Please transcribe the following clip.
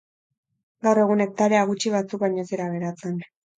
Gaur egun hektarea gutxi batzuk baino ez dira geratzen.